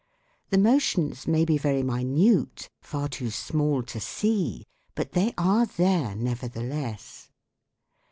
The motions may be very minute, far too small to see, but they are there nevertheless.